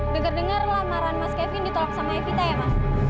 dengar dengar lamaran mas kevin ditolak sama kita ya mas